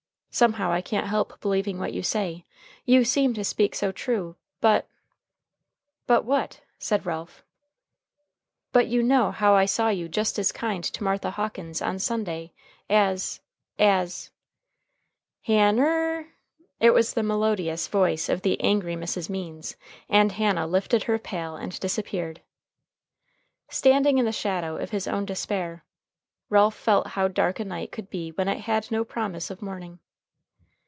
Somehow I can't help believing what you say. You seem to speak so true. But " "But what?" said Ralph. "But you know how I saw you just as kind to Martha Hawkins on Sunday as as " "Han ner!" It was the melodious voice of the angry Mrs. Means, and Hannah lifted her pail and disappeared. Standing in the shadow of his own despair, Ralph felt how dark a night could be when it had no promise of morning.